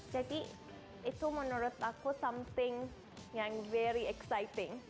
jadi itu menurut aku something yang very exciting